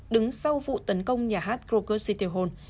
đứng sau vụ tấn công nhà hát krokus sitihol